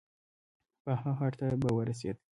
پاخه هډ ته به ورسېد.